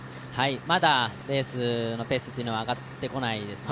まだレースのペースは上がってこないですね。